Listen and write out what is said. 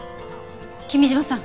君嶋さん